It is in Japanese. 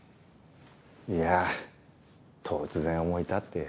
いや突然思い立って。